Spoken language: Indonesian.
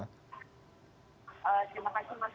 terima kasih mas